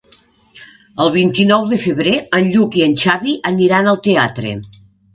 El vint-i-nou de febrer en Lluc i en Xavi aniran al teatre.